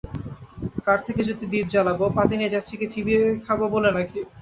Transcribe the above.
কাঠ থেকে যদি দীপ জ্বালাব, পাতা নিয়ে যাচ্ছি কি চিবিয়ে খাব বলে নাকি?